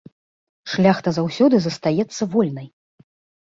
Шляхта заўсёды застаецца вольнай!